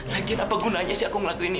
lagi apa gunanya sih aku ngelakuin ini